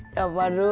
coba dulu dong